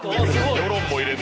世論も入れる。